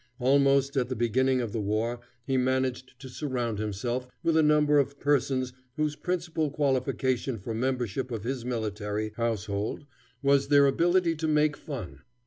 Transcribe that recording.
Almost at the beginning of the war he managed to surround himself with a number of persons whose principal qualification for membership of his military household was their ability to make fun.